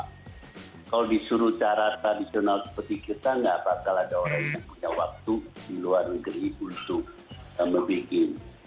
kalau disuruh cara tradisional seperti kita nggak bakal ada orang yang punya waktu di luar negeri untuk membuat